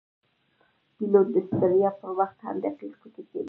پیلوټ د ستړیا پر وخت هم دقیق فکر کوي.